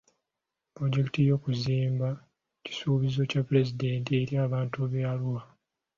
Pulojekiti y'okuzimba kisuubizo kya pulezidenti eri abantu b'e Arua.